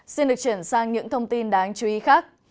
xin được chuyển sang những thông tin đáng chú ý khác